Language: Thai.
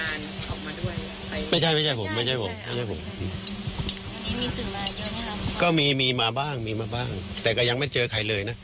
อย่างออกมาด้วยไม่ใช่ไม่ใช่ผมไม่ใช่ผมไม่ใช่ผมก็มีมีมาบ้างมีมาบ้างแต่ก็ยังไม่เจอใครเลยนะ